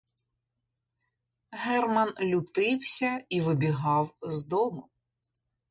Герман лютився і вибігав з дому.